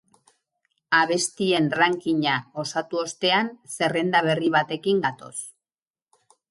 Abestien rankinga osatu ostean, zerrenda berri batekin gatoz.